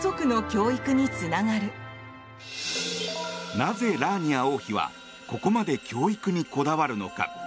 なぜラーニア王妃はここまで教育にこだわるのか？